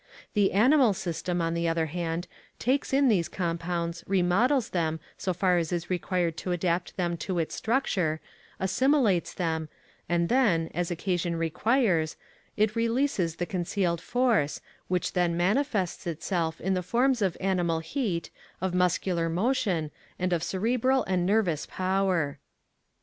The animal system, on the other hand, takes in these compounds, remodels them so far as is required to adapt them to its structure, assimilates them, and then, as occasion requires quires, it releases the concealed force, which then manifests itself in the forms of animal heat, of muscular motion, and of cerebral and nervous power.